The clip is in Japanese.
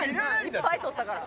いっぱい撮ったから。